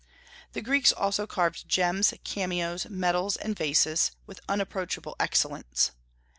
The Greeks also carved gems, cameos, medals, and vases, with unapproachable excellence.